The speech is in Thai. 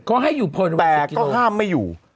ก็ห้ามไปอยู่